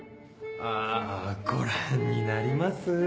あご覧になります？